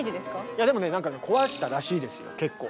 いやでもねなんかね壊したらしいですよ結構。